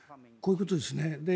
こういうことですね。